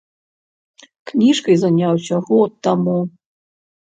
Кніжкай заняўся год таму.